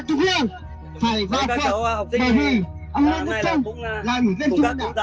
ủy ban kiểm tra trục lương phải ra khỏi bờ hình ông nguyễn đức trâm là người dân chúng ta